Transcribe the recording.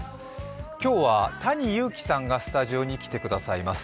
今日はＴａｎｉＹｕｕｋｉさんがスタジオに来てくださいます。